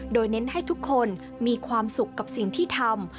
โดยเน้นให้ทุกคนมีความสุขกับสิ่งที่ทำ